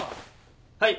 はい。